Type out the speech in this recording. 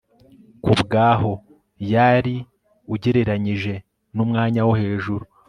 kubwaho yari ari ugereranyije numwanya wo hejuru